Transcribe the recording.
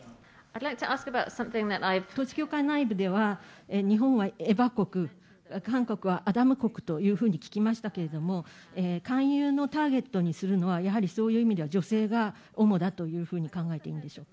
統一教会内部では、日本はイブ国、韓国はアダム国というふうに聞きましたけれども、勧誘のターゲットにするのは、やはりそういう意味では女性が主だというふうに考えいいんでしょ